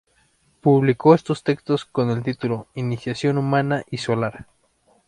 Publicó esos textos con el título "Iniciación humana y solar".